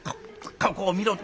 ここを見ろって。